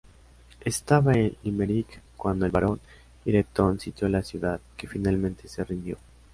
Estaba en Limerick cuando el varón Ireton sitio la ciudad, que finalmente se rindió.